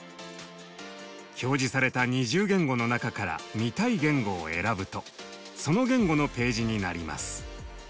表示された２０言語の中から見たい言語を選ぶとその言語のページになります。